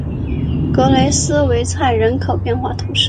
格雷斯维莱人口变化图示